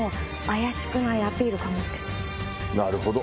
なるほど。